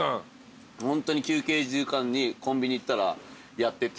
ホントに休憩時間にコンビニ行ったらやってて。